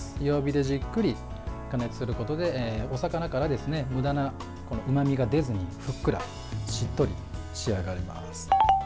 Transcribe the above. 弱火でじっくり加熱することでお魚からむだなうまみが出ずにふっくら、しっとり仕上がります。